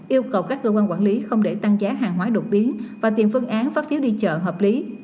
yêu cầu các cơ quan quản lý không để tăng giá hàng hóa đột biến và tìm phương án phát phiếu đi chợ hợp lý